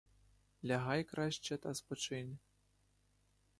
Лягай краще та спочинь.